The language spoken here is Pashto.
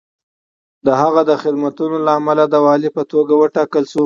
د هغه د خدمتونو له امله دی د والي په توګه وټاکل شو.